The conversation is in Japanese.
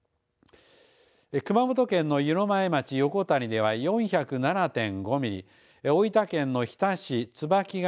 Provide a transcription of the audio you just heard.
熊本県の湯前町横谷では４０７．５ミリ大分県の日田市椿ヶ